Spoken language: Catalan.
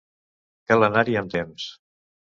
Cal anar-hi amb temps.